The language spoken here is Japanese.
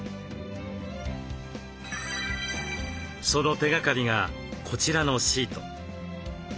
その手がかりがこちらのシート。